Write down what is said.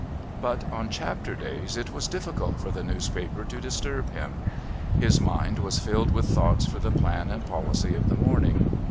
But on "Chapter Days" it was difficult for the newspaper to disturb him. His mind was filled with thoughts for the plan and policy of the morning.